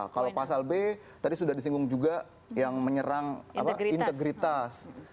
kalau pasal b tadi sudah disinggung juga yang menyerang integritas